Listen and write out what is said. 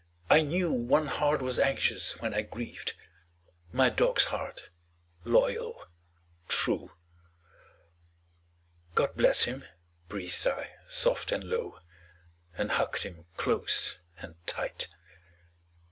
I knew One heart was anxious when I grieved My dog's heart, loyal, true. "God bless him," breathed I soft and low, And hugged him close and tight.